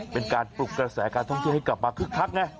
เป็นการปลุกกระแสการท่องเที่ยวให้กลับมาคึกคักไง